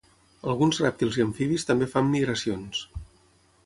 Alguns rèptils i amfibis també fan migracions.